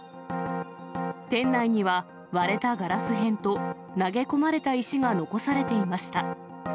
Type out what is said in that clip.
店内には、割れたガラス片と投げ込まれた石が残されていました。